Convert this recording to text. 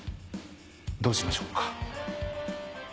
どうしましょっか。